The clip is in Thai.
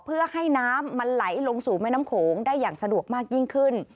เพื่อให้น้ำมันไหลลงสู่แม่น้ำโขงได้อย่างสะดวกมากยิ่งขึ้น